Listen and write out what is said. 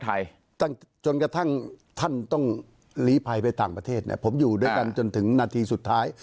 จนกระทั่งท่านต้องหลีภัยไปต่างประเทศเนี่ยผมอยู่ด้วยกันจนถึงนาทีสุดท้าย